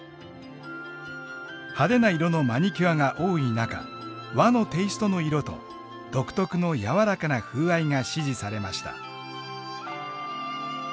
派手な色のマニキュアが多い中和のテイストの色と独特の柔らかな風合いが支持されました。